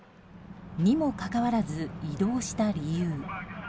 にもかかわらず移動した理由。